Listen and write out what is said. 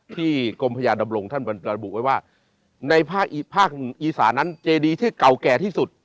กรมพญาดำรงท่านบรรบุไว้ว่าในภาคอีสานั้นเจดีที่เก่าแก่ที่สุด